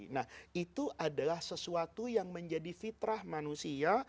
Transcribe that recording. nah itu adalah sesuatu yang menjadi fitrah manusia